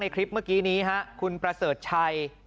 คลิปเมื่อกี้นี้คุณประเสริฐชัย